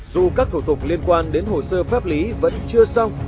dù các thủ tục liên quan đến hồ sơ pháp lý vẫn chưa xong